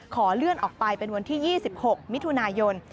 ขอเลื่อนออกไปเป็นวันที่๒๖มิถุนายน